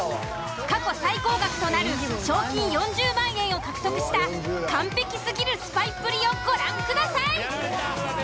過去最高額となる賞金４０万円を獲得した完璧すぎるスパイっぷりをご覧ください。